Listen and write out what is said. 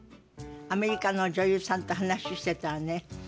アメリカの女優さんと話してたらね